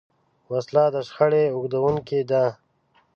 وسله د شخړې اوږدوونکې ده